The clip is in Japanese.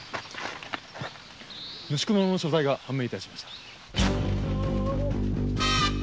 無宿者の所在が判明致しました。